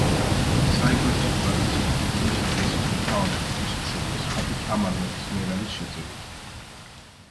საეკლესიო ტრადიციით, დიდუბის ეკლესიის მთავარი, ღმრთისმშობლის ხატი თამარ მეფის მიერ არის შეწირული.